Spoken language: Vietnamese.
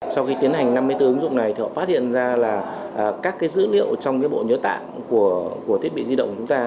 sau khi tiến hành năm mươi bốn ứng dụng này thì họ phát hiện ra là các dữ liệu trong bộ nhớ tạng của thiết bị di động của chúng ta